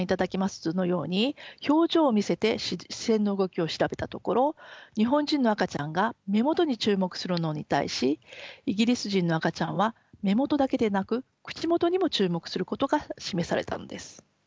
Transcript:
図のように表情を見せて視線の動きを調べたところ日本人の赤ちゃんが目元に注目するのに対しイギリス人の赤ちゃんは目元だけでなく口元にも注目することが示されたのです。